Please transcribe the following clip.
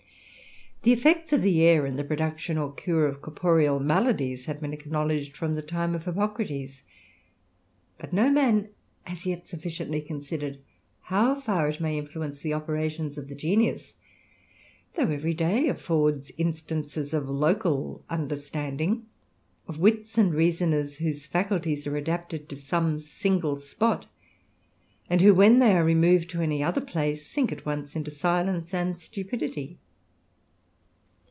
The effects THE RAMBLER. 141 '^ the air in the production or cure of corporeal maladies i^vc been acknowledged from the time of Hippocrates; ^^t no man has yet sufficiently considered how far it ■^^y influence the operations of the genius, though every ^^y affords instances of local understanding, of wits and ^^^^oners, whose faculties are adapted to some single ^Pot, and who, when they are removed to any other PWe, sink at once into silence and stupidity.